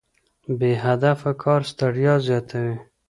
بې هدفه کار ستړیا زیاتوي.